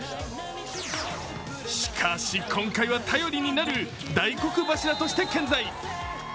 しかし、今回は頼りになる大黒柱として健在。